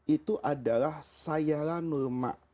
itu adalah sayalanulma